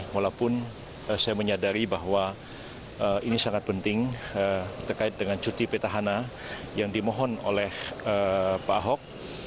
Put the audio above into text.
walaupun saya menyadari bahwa ini sangat penting terkait dengan cuti petahana yang dimohon oleh pak ahok